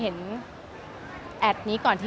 สวัสดีคุณครับสวัสดีคุณครับ